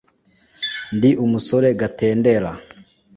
ndi umusore Gatendera